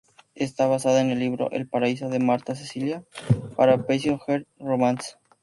Está basada en el libro "El Paraiso" de Martha Cecilia para Precious Hearts Romances.